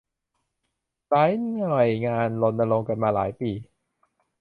หลายหน่วยงานรณรงค์กันมาหลายปี